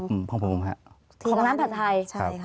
ของร้านผ่านไทย